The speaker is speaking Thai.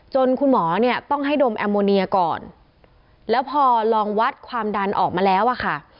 คุณหมอเนี่ยต้องให้ดมแอมโมเนียก่อนแล้วพอลองวัดความดันออกมาแล้วอะค่ะ